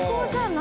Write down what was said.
何？